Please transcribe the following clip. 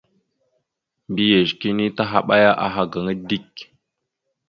Mbiyez kini tahaɓaya aha gaŋa dik.